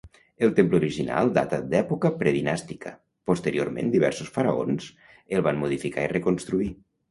El temple original data d'època predinàstica, posteriorment diversos faraons el van modificar i reconstruir.